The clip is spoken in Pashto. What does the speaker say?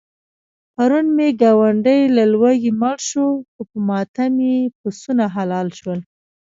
پرون مې ګاونډی له لوږې مړ شو، خو په ماتم یې پسونه حلال شول.